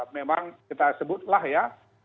memang kita sebutlah ya